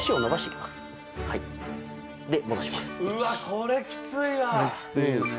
これきついわ。